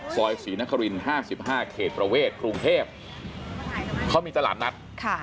ซอยศรีนครินห้าสิบห้าเขตประเวทกรุงเทพเขามีตลาดนัดค่ะ